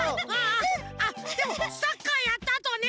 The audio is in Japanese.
あっでもサッカーやったあとはね